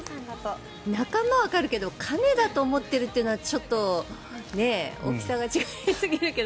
仲間はわかるけど亀だと思っているというのはちょっと大きさが違いすぎるけど。